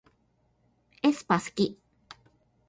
aespa すき